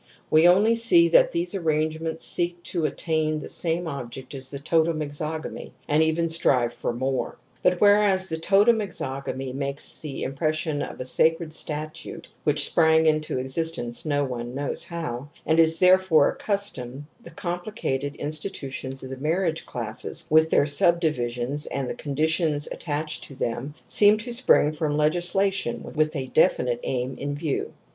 We only see that these arrangements seek to attain the same object as the totem exogamy, and even strive for more. But whereas the totem exog amy makes the impression of a sacred statute which sprang into existence, no one knows how, and is therefore a custom, the complicated insti tutions of the marriage classes, with their sub divisions and the conditions attached to them, seem to spring from legislation with a definite aim in view.